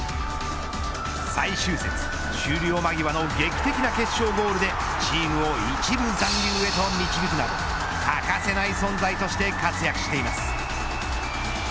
最終節、終了間際の劇的な決勝ゴールでチームを１部残留へと導くなど欠かせない存在として活躍しています。